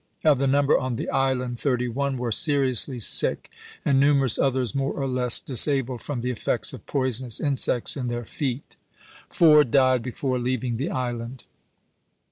Of the number on the island, thirty one were seri ously sick, and numerous others more or less dis abled from the effects of poisonous insects in their feet. Four died before leaving the island."